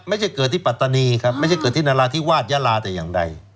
ไม่ใช่เกิดที่ปัตตานีครับไม่ใช่เกิดที่นราธิวาสยาลาแต่อย่างใด